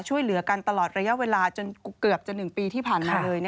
ช่วยเหลือกันตลอดระยะเวลาจนเกือบจะ๑ปีที่ผ่านมาเลย